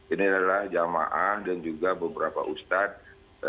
ini adalah jamaah dan juga beberapa ustadz